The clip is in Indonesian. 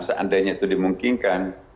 seandainya itu dimungkinkan